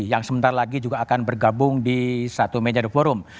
yang sebentar lagi juga akan bergabung di satu mejadu forum